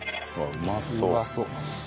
うまそう。